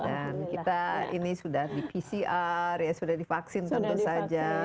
dan kita ini sudah di pcr sudah divaksin tentu saja